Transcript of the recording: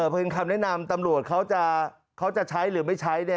เป็นคำแนะนำตำรวจเขาจะใช้หรือไม่ใช้